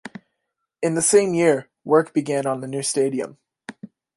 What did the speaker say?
In the same year, work began on the new stadium.